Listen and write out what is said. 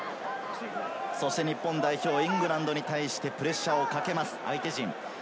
日本代表、イングランドに対してプレッシャーをかけます、相手に。